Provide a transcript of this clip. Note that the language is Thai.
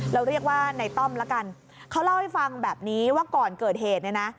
เราเรียกว่าในต้อมละกันเขาเล่าให้ฟังแบบนี้ว่าก่อนเกิดเหตุเนี่ยนะ